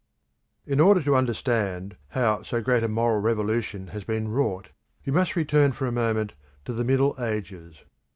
In order to understand how so great a moral revolution has been wrought we must return for a moment to the Middle Ages.